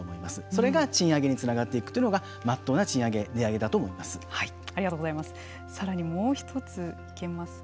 それが賃上げにつながっていくというのがまっとうな賃上げ値上げだと思います。